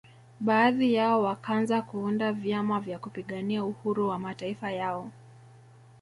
Baadhi yao wakanza kuunda vyama vya kupigania uhuru wa mataifa yao